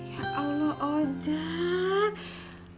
ya allah ojak